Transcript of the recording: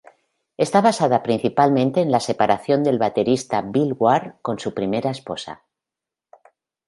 Está basada principalmente en la separación del baterista Bill Ward con su primera esposa.